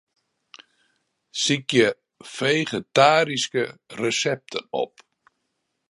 Sykje fegetaryske resepten op.